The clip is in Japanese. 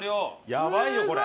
やばいよこれ。